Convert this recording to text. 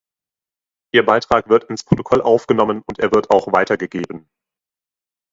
Ihr Beitrag wird ins Protokoll aufgenommen, und er wird auch weitergegeben.